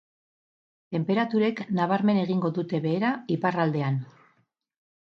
Tenperaturek nabarmen egingo dute behera iparraldean.